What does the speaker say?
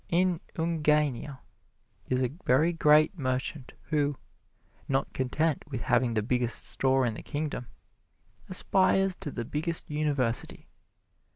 In Ungania is a very great merchant who, not content with having the biggest store in the Kingdom, aspires to the biggest University.